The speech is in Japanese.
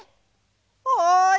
おい！